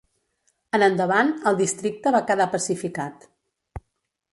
En endavant el districte va quedar pacificat.